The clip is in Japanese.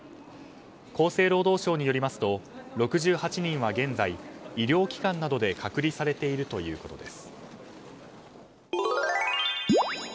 厚生労働省によりますと６８人は現在医療機関などで隔離されているということです。